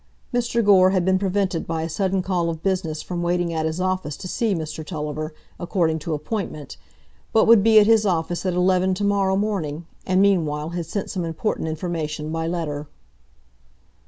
Mr Gore had been prevented by a sudden call of business from waiting at his office to see Mr Tulliver, according to appointment, but would be at his office at eleven to morrow morning, and meanwhile had sent some important information by letter.